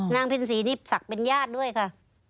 นางพินศรีนี่สักเป็นญาติด้วยค่ะ